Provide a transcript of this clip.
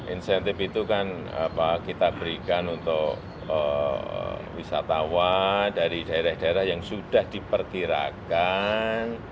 insentif itu kan kita berikan untuk wisatawan dari daerah daerah yang sudah diperkirakan